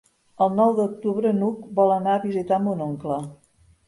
El nou d'octubre n'Hug vol anar a visitar mon oncle.